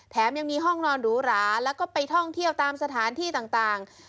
แถมยังมีห้องนอนหรูหราแล้วก็ไปท่องเที่ยวตามสถานที่ต่าง